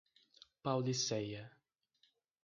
Paulicéia